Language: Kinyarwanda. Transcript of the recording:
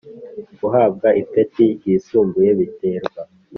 Guhabwa ipeti ryisumbuye biterwa